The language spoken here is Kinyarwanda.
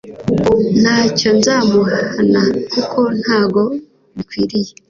ntacyo nzamuhana kuko ntago bikwiriye